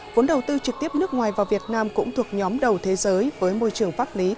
vốn đầu tư trực tiếp nước ngoài vào việt nam cũng thuộc nhóm đầu thế giới với môi trường pháp lý